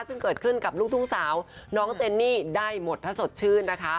ซึ่งเกิดขึ้นกับลูกทุ่งสาวน้องเจนนี่ได้หมดถ้าสดชื่นนะคะ